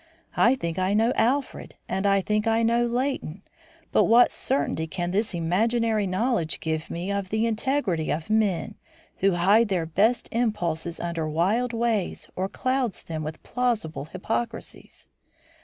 I think I know Alfred and I think I know Leighton; but what certainty can this imaginary knowledge give me of the integrity of men who hide their best impulses under wild ways or cloud them with plausible hypocrisies?